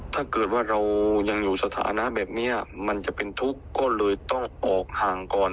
ถ้าเกิดว่าเรายังอยู่สถานะแบบนี้มันจะเป็นทุกข์ก็เลยต้องออกห่างก่อน